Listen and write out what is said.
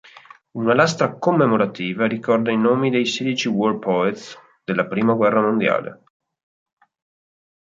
Una lastra commemorativa ricorda i nomi dei sedici "war poets" della prima guerra mondiale.